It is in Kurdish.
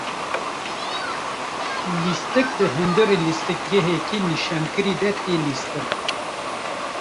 Lîstik di hundirê lîstikgeheke nîşankirî de, tê lîstin.